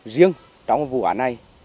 riêng trong vụ án này